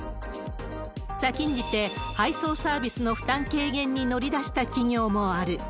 先んじて、配送サービスの負担軽減に乗り出した企業もある。